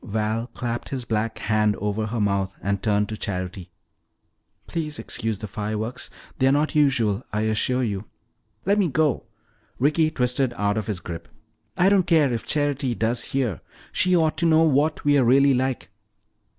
Val clapped his black hand over her mouth and turned to Charity. "Please excuse the fireworks. They are not usual, I assure you." "Let me go!" Ricky twisted out of his grip. "I don't care if Charity does hear. She ought to know what we're really like!"